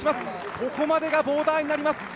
ここまでがボーダーになります。